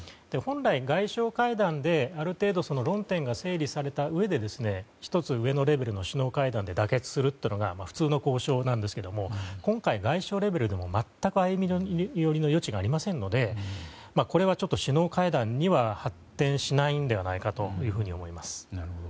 本来、外相会談で、ある程度論点が整理されたうえで１つ上のレベルの首脳会談で妥結するというのが普通の交渉なんですけれども今回、外相レベルでも全く歩み寄りの余地がありませんのでこれはちょっと首脳会談には発展しないのではないかというふうに思います。